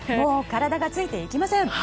体がついていけません！